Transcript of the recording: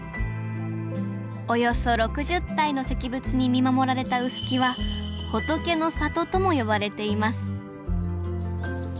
およそ６０体の石仏に見守られた臼杵は「仏の里」とも呼ばれています